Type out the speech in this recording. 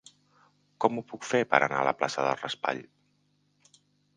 Com ho puc fer per anar a la plaça del Raspall?